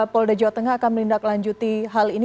polda jawa tengah akan menindaklanjuti hal ini